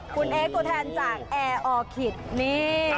คุณเอ๊กตัวแทนจากแอร์ออคิตนี่